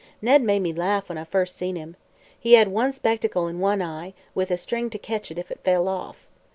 Ned made me laugh when I first seen him. He had one spectacle in one eye, with a string to ketch it if it fell off.